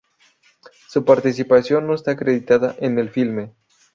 Su participación no está acreditada en el filme.